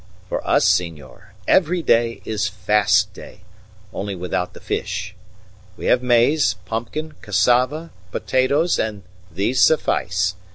For us, senor, every day is fast day only without the fish. We have maize, pumpkin, cassava, potatoes, and these suffice.